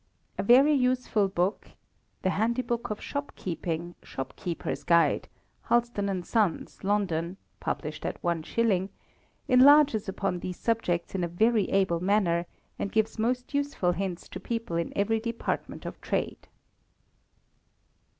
A very useful book, "The Handy Book of Shopkeeping, Shopkeeper's Guide" (published at one shilling), enlarges upon these subjects in a very able manner, and gives most useful hints to people in every dapartment of trade.